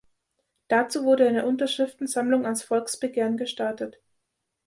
Dazu wurde eine Unterschriftensammlung als Volksbegehren gestartet.